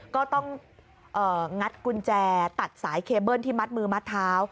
ก็ต้องงัดกุญแจตัดสายเคเบิ้ลที่มัดมือมัดเท้า